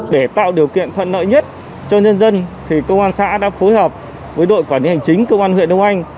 để tạo điều kiện thuận lợi nhất cho nhân dân công an xã đã phối hợp với đội quản lý hành chính công an huyện đông anh